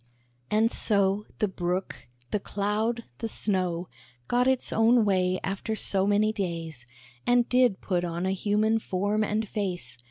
And so The Brook the Cloud the Snow, Got its own way after so many days, And did put on a human form and face.